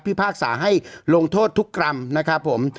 พากษาให้ลงโทษทุกกรรมนะครับผม